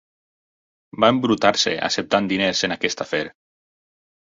Va embrutar-se acceptant diners en aquest afer.